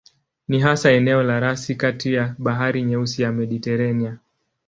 Ni hasa eneo la rasi kati ya Bahari Nyeusi na Mediteranea.